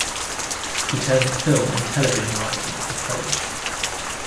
He turned to film and television writing in college.